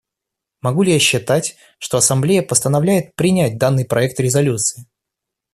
Могу ли я считать, что Ассамблея постановляет принять данный проект резолюции?